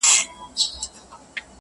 په اړه به پر کراره بحث سره وکو